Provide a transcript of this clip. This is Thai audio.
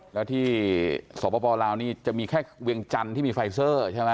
แล้วที่สปลาวนี่จะมีแค่เวียงจันทร์ที่มีไฟเซอร์ใช่ไหม